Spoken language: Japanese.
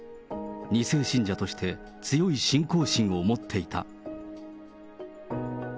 ２世信者として強い信仰心を持っていた。